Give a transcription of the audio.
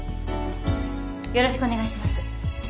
よろしくお願いします。